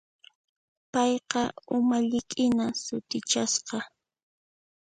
Payqa umalliqhina sutichasqa.